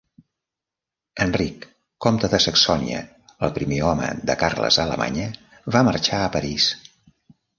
Enric, comte de Saxònia, el primer home de Carles a Alemanya, va marxar a París.